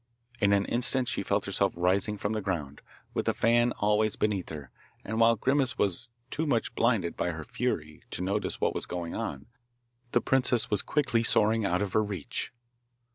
In an instant she felt herself rising from the ground, with the fan always beneath her, and while Grimace was too much blinded by her fury to notice what was going on the princess was quickly soaring out of her reach.